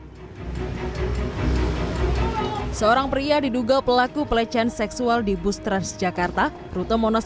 hai seorang pria diduga pelaku pelecehan seksual di bus transjakarta rute monas